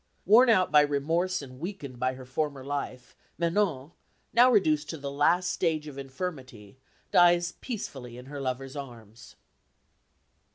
Worn out by remorse and weakened by her former life, Manon, now reduced to the last stage of infirmity, dies peacefully in her lover's arms.